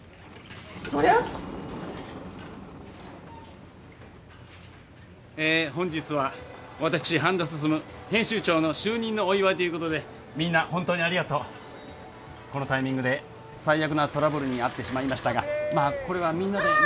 そりゃえ本日は私半田進編集長の就任のお祝いということでみんな本当にありがとうこのタイミングで最悪なトラブルに遭ってしまいましたが・